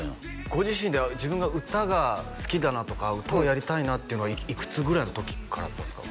ご自身で自分が歌が好きだなとか歌をやりたいなっていうのはいくつぐらいの時からあったんですか？